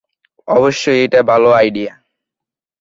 অবশ্যই এটা ভালো আইডিয়া।